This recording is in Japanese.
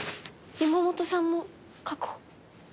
山本さんも確保。